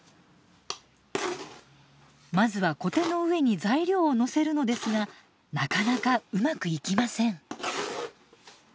まずはコテの上に材料をのせるのですがなかなかうまくいきません。